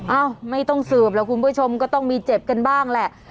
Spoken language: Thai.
เอ้าไม่ต้องสืบแล้วคุณผู้ชมก็ต้องมีเจ็บกันบ้างแหละ